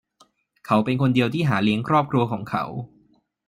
เขาเป็นคนเดียวที่หาเลี้ยงครอบครัวของเขา